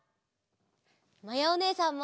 まやおねえさんも！